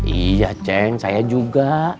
iya ceng saya juga